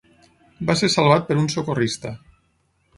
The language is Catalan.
Va ser salvat per un socorrista.